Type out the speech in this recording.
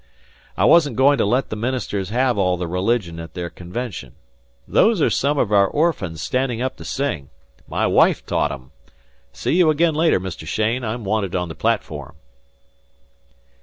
I wasn't going to let the ministers have all the religion at their convention. Those are some of our orphans standing up to sing. My wife taught 'em. See you again later, Mr. Cheyne. I'm wanted on the platform."